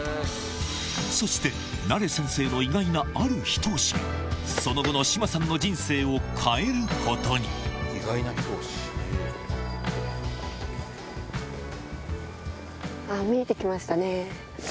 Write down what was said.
そして、ナレ先生の意外なある一押しが、その後の志麻さんの人生を変える見えてきましたね。